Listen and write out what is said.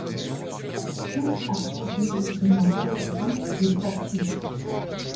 Fuchs a produit de nombreux bustes et statues.